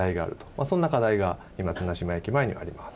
そんな課題が今綱島駅前にはあります。